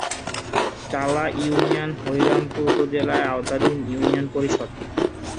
চালা ইউনিয়ন হরিরামপুর উপজেলার আওতাধীন ইউনিয়ন পরিষদ।